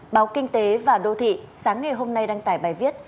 báo kinh tế và đô thị sáng ngày hôm nay đăng tải bài viết